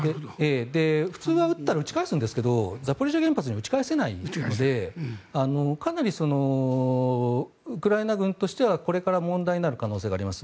普通は撃ったら撃ち返すんですけどザポリージャ原発には撃ち返せないのでかなりウクライナ軍としてはこれから問題になる可能性があります。